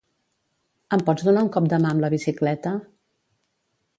Em pots donar un cop de mà amb la bicicleta?